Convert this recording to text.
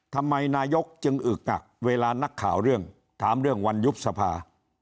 นายกจึงอึกอักเวลานักข่าวเรื่องถามเรื่องวันยุบสภา